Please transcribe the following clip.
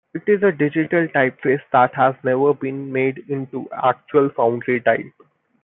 It is a digital typeface that has never been made into actual foundry type.